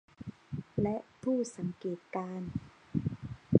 และผู้สังเกตการณ์